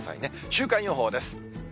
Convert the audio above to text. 週間予報です。